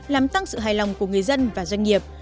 làm tăng sự hài lòng của người dân và doanh nghiệp